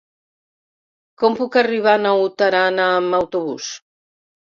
Com puc arribar a Naut Aran amb autobús?